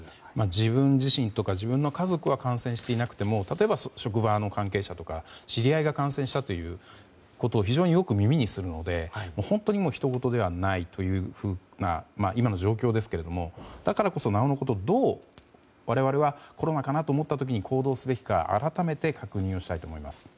自分自身とか自分の家族は感染していなくても例えば職場の関係者とか知り合いが感染したということを非常によく耳にするので他人事ではないという今の状況ですがだからこそ、なおのことどう、我々はコロナかなと思った時行動すべきか改めて確認したいと思います。